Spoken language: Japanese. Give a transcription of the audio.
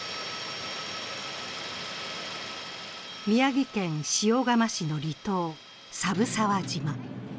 宮城県塩竈市の離島、寒風沢島。